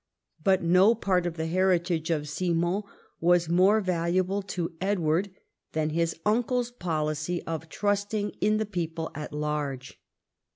But no part of the heritage of Simon was more valuable to Edward than his uncle's policy of trusting in the people at large.